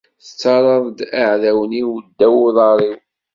Tettarraḍ-d iɛdawen-iw ddaw uḍar-iw.